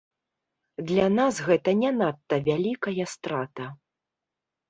Для нас гэта не надта вялікая страта.